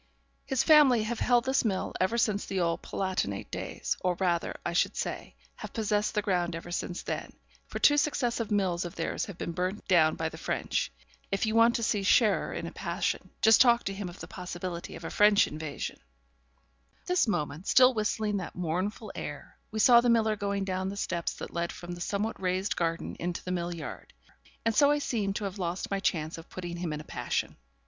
'His family have held this mill ever since the old Palatinate days; or rather, I should say, have possessed the ground ever since then, for two successive mills of theirs have been burnt down by the French. If you want to see Scherer in a passion, just talk to him of the possibility of a French invasion.' But at this moment, still whistling that mournful air, we saw the miller going down the steps that led from the somewhat raised garden into the mill yard; and so I seemed to have lost my chance of putting him in a passion.